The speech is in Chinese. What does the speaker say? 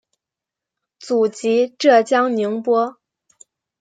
祖籍浙江宁波。